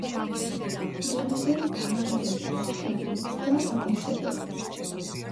იყენებენ დამარილებულს, შებოლილს და დაკონსერვებულს.